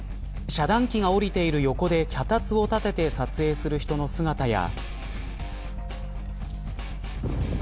遮断機が降りている横で脚立を立てて撮影する人の姿や。